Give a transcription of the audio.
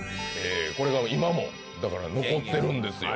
これが今も残ってるんですよ